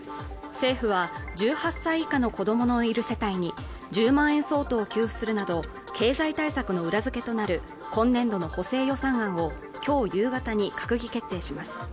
政府は１８歳以下の子どものいる世帯に１０万円相当を給付するなど経済対策の裏付けとなる今年度の補正予算案をきょう夕方に閣議決定します